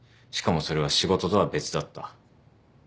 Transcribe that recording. しかもそれは仕事とは別だった。